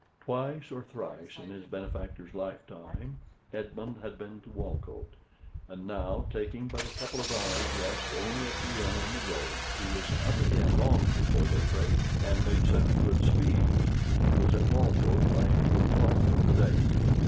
Twice or thrice in his benefactor's lifetime, Esmond had been to Walcote; and now, taking but a couple of hours' rest only at the inn on the road, he was up again long before daybreak, and made such good speed that he was at Walcote by two o'clock of the day.